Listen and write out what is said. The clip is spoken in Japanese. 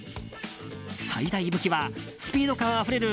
最大武器はスピード感あふれる